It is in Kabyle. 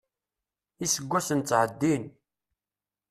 Iseggasen ttɛeddin.